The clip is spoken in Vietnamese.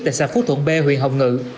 tại xã phú thuận b huyện hồng ngự